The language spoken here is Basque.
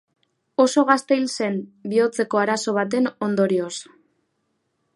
Oso gazte hil zen, bihotzeko arazo baten ondorioz.